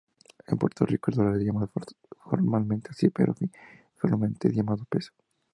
En Puerto Rico, el dólar es llamado formalmente así, pero informalmente es llamado peso.